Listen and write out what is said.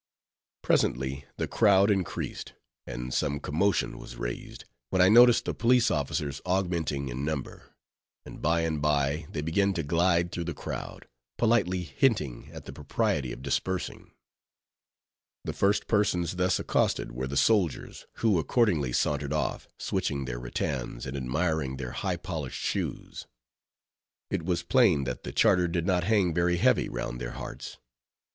Presently the crowd increased, and some commotion was raised, when I noticed the police officers augmenting in number; and by and by, they began to glide through the crowd, politely hinting at the propriety of dispersing. The first persons thus accosted were the soldiers, who accordingly sauntered off, switching their rattans, and admiring their high polished shoes. It was plain that the Charter did not hang very heavy round their hearts.